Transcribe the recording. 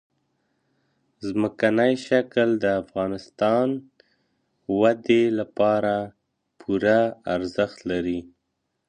ځمکنی شکل د افغانستان د اقتصادي ودې لپاره پوره ارزښت لري.